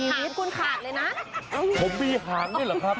ผมมีหางนี่เหรอครับ